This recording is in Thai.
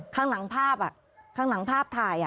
ข้างหลังภาพข้างหลังภาพถ่าย